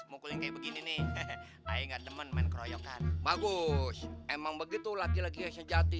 mukul kayak begini nih ayo nggak demen main keroyokan bagus emang begitu laki laki sejati